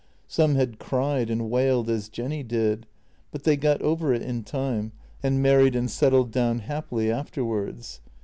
Some had cried and wailed as Jenny did, but they got over it in time, and married and settled down happily afterwards.